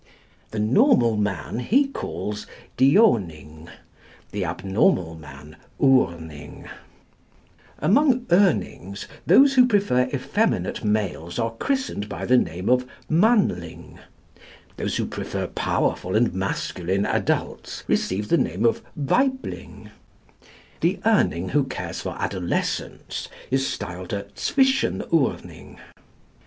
The normal man he calls Dioning, the abnormal man Urning. Among Urnings, those who prefer effeminate males are christened by the name of Mannling; those who prefer powerful and masculine adults receive the name of Weibling; the Urning who cares for adolescents is styled a Zwischen Urning.